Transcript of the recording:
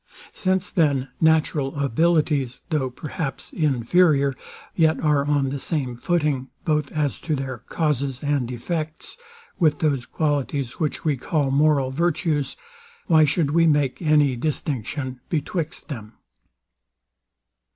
Since then natural abilities, though, perhaps, inferior, yet are on the same footing, both as to their causes and effects, with those qualities which we call moral virtues, why should we make any distinction betwixt them?